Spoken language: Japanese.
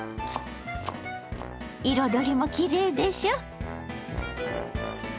彩りもきれいでしょ。